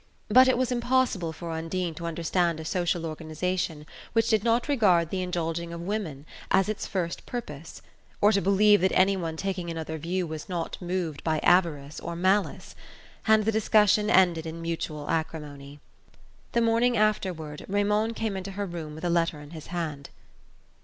But it was impossible for Undine to understand a social organization which did not regard the indulging of woman as its first purpose, or to believe that any one taking another view was not moved by avarice or malice; and the discussion ended in mutual acrimony. The morning afterward, Raymond came into her room with a letter in his hand.